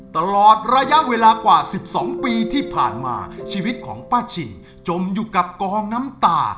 ตลอดระยะเวลากว่า๑๒ปีที่ผ่านมาชีวิตของป้าฉี่จมอยู่กับกองน้ำตา